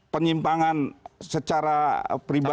penyimpangan secara pribadi